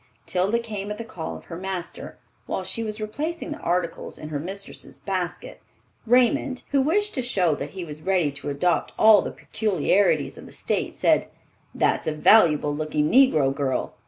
Tilda came at the call of her master. While she was replacing the articles in her mistress' basket, Raymond, who wished to show that he was ready to adopt all the peculiarities of the State, said, "That's a valuable looking negro girl.